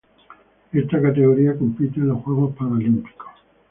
Esta categoría compite en los Juegos Paralímpicos.